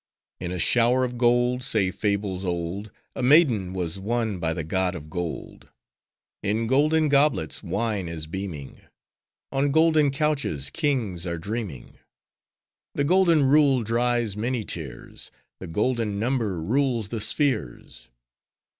In a shower of gold, say fables old, A maiden was won by the god of gold! In golden goblets wine is beaming: On golden couches kings are dreaming! The Golden Rule dries many tears! The Golden Number rules the spheres!